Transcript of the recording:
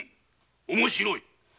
面白い。